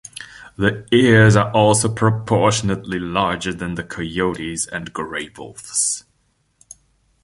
The ears are also proportionately larger than the coyote's and gray wolf's.